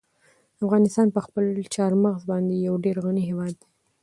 افغانستان په خپلو چار مغز باندې یو ډېر غني هېواد دی.